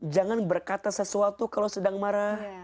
jangan berkata sesuatu kalau sedang marah